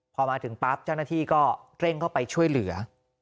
พอมาถึงปั๊บเจ้าหน้าที่ก็เร่งเข้าไปช่วยเหลือ